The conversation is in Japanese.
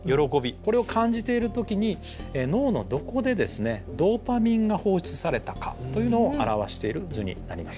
これを感じている時に脳のどこでドーパミンが放出されたかというのを表している図になります。